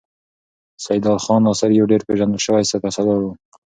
سیدال خان ناصر یو ډېر پیژندل شوی سپه سالار و.